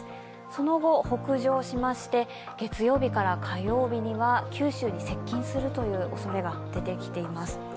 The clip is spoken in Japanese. その後、北上しまして月曜日から火曜日には九州に接近するおそれが出てきています。